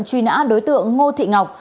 truy nã đối tượng ngô thị ngọc